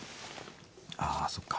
ああそっか。